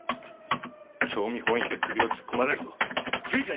興味本位で首を突っ込まれると不愉快です！！